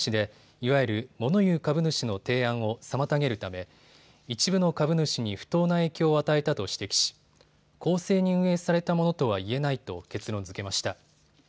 いわゆるモノ言う株主の提案を妨げるため一部の株主に不当な影響を与えたと指摘し公正に運営されたものとは言えないと結論づけました。